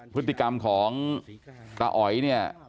พฤติกรรมของตาอ๋อยเนี่ย